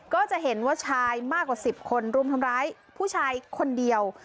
ก็จะเห็นว่าชายมากกว่า๑๐คนรุมทำร้ายผู้ชายคนเดียว